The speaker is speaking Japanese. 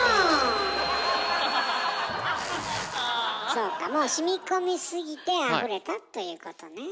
そうかもうしみこみすぎてあふれたということね。